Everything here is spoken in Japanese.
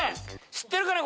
知ってるかな？